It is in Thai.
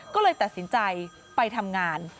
ก็เลยตัดสินใจไปทำงาน